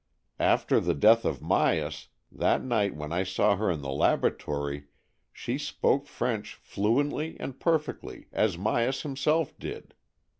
After the death of Myas, that night when I saw her in the laboratory, she spoke French fluently and perfectly, as Myas himself did.